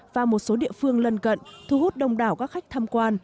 và một số địa phương lân cận thu hút đông đảo các khách tham quan